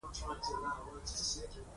زه به نور پر ځان باوري کړم.